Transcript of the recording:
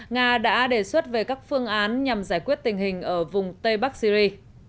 nga đã đề xuất về các phương án nhằm giải quyết tình hình ở vùng tây bắc syri